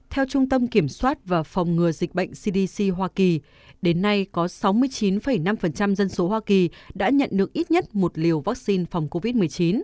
theo trung tâm kiểm soát và phòng ngừa dịch bệnh cdc hoa kỳ đến nay có sáu mươi chín năm dân số hoa kỳ đã nhận được ít nhất một liều vaccine phòng covid một mươi chín